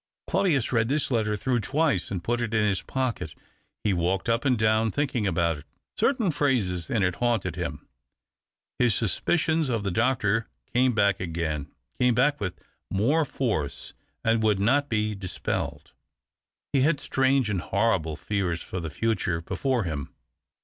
Claudius read this letter through twice, and put it in his pocket. He walked up and down thinking about it. Certain phrases in it haunted him. His suspicions of the doctor came back again — came back with more force and would not be dispelled. He had strange and horrible fears f(jr the future before him.